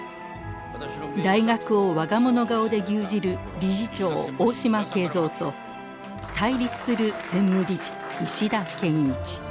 大学を我が物顔で牛耳る理事長大島圭蔵と対立する専務理事石田謙一。